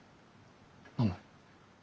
飲む？